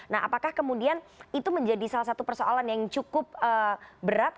nah apakah kemudian itu menjadi salah satu persoalan yang cukup berat